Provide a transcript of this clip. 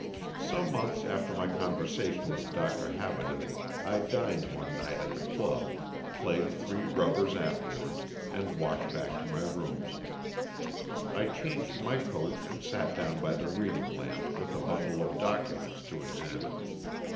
Some months after my conversation with Dr. Habaden I dined one night at the club, played three rubbers afterwards, and walked back to my rooms. I changed my coat and sat down by the reading lamp with a bundle of documents to examine.